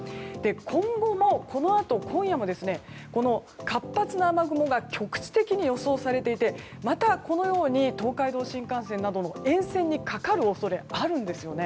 今後もこのあと今夜も活発な雨雲が局地的に予想されていてまた、このように東海道新幹線などの沿線にかかる恐れがあるんですね。